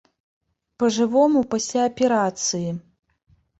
Па жывому, пасля аперацыі.